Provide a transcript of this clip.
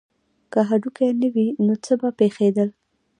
که هډوکي نه وی نو څه به پیښیدل